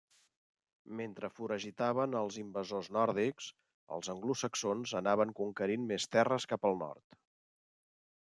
Mentre foragitaven els invasors nòrdics, els anglosaxons anaven conquerint més terres cap al nord.